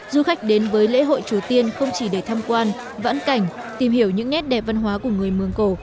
du khách đến với lễ hội chùa tiên không chỉ để tham quan vãn cảnh tìm hiểu những nét đẹp văn hóa của người mường cổ